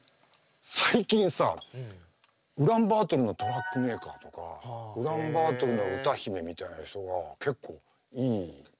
最近さウランバートルのトラックメーカーとかウランバートルの歌姫みたいな人が結構いい曲を出してて。